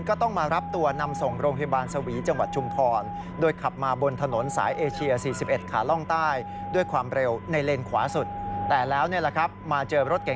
ก็ต้องมารับตัวนำส่งโรงพยาบาลสวีจังหวัดชุมทร